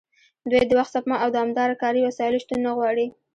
دوی د وخت سپما او دوامداره کاري وسایلو شتون نه غواړي